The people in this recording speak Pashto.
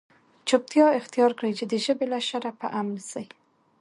چوپتیا اختیار کړئ! چي د ژبي له شره په امن سئ.